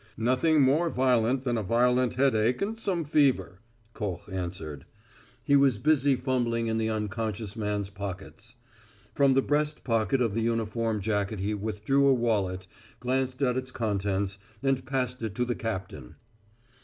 "Nothing more violent than a violent headache and some fever," Koch answered. He was busy fumbling in the unconscious man's pockets. From the breast pocket of the uniform jacket he withdrew a wallet, glanced at its contents, and passed it to the captain.